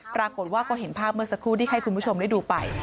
ปรากฏว่าก็เห็นภาพเมื่อสักครู่ที่ให้คุณผู้ชมได้ดูไป